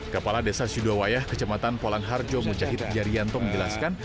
kepala desa sudowayah kecematan polang harjo mucahit jarianto menjelaskan